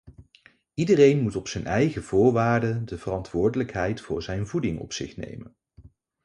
Iedereen moet op zijn eigen voorwaarden de verantwoordelijkheid voor zijn voeding op zich nemen.